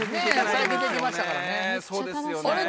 最近できましたからねあれ？